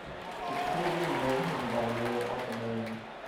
The children know him by no other name.